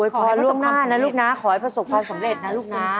ขอล่วงหน้านะลูกนะขอให้ประสบความสำเร็จนะลูกนะ